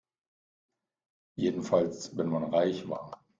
Jedenfalls wenn man reich war.